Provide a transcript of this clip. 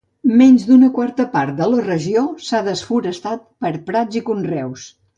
Menys d'una quarta part de la regió s'ha desforestat per a prats i conreus.